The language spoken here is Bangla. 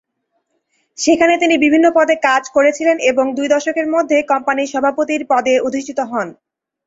সেখানে তিনি বিভিন্ন পদে কাজ করেছিলেন, এবং দুই দশকের মধ্যে কোম্পানির সভাপতির পদে অধিষ্ঠিত হন।